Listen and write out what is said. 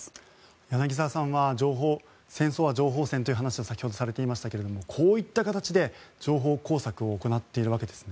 柳澤さんは戦争は情報戦という話を先ほどされていましたがこういった形で情報工作を行っているわけですね。